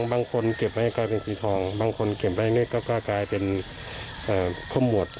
บางคนเก็บไว้กลายเป็นสีทองบางคนเก็บไว้ก็กลายเป็นคมหมด